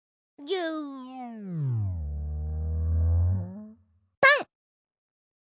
ぎゅぱん！